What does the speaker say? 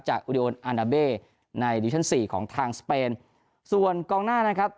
อุดีโอนอาณาเบในดิวิชั่นสี่ของทางสเปนส่วนกองหน้านะครับ